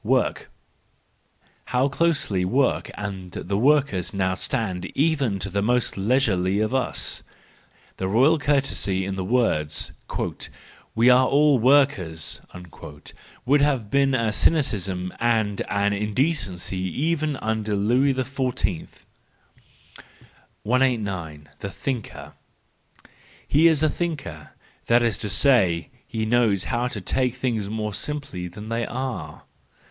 Work ,—How close work and the workers now stand even to the most leisurely of us! The royal courtesy in the words :" We are all workers," would have been a cynicism and an indecency even under Louis XIV. 189. The Thinker .—He is a thinker: that is to say, he knows how to take things more simply than they are.